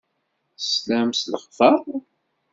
Teslam s lexber?